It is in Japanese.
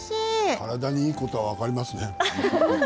体にいいことが分かりますね。